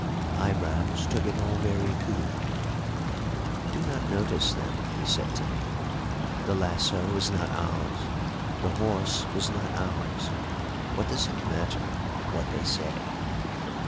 Eyebrows took it all very coolly. "Do not notice them," he said to me. "The lasso was not ours, the horse was not ours, what does it matter what they say?"